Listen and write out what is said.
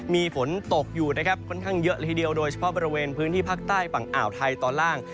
มีฝนตกอยู่นะครับค่อนข้างเยอะเลยทีเดียวโดยเฉพาะบริเวณพื้นที่ภาคใต้ฝั่งอ่าวไทยตอนล่าง